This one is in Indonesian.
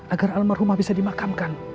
agar almarhumah bisa dimakamkan